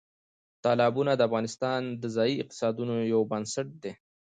تالابونه د افغانستان د ځایي اقتصادونو یو بنسټ دی.